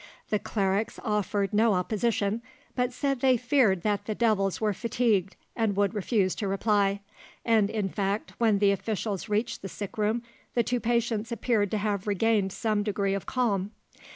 The clerics offered no opposition, but said they feared that the devils were fatigued and would refuse to reply; and, in fact, when the officials reached the sickroom the two patients appeared to have regained some degree of calm.